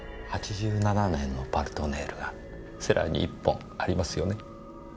８７年の「パルトネール」がセラーに１本ありますよね？